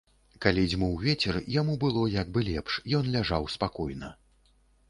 Калі дзьмуў вецер, яму было як бы лепш, ён ляжаў спакойна.